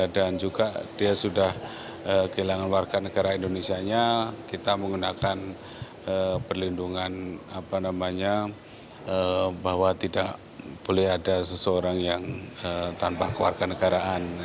dan juga dia sudah kehilangan warga negara indonesia nya kita menggunakan perlindungan bahwa tidak boleh ada seseorang yang tanpa keluarga negaraan